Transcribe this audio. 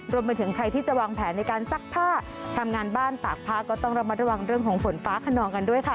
รวมไปถึงใครที่จะวางแผนในการซักผ้าทำงานบ้านตากผ้าก็ต้องระมัดระวังเรื่องของฝนฟ้าขนองกันด้วยค่ะ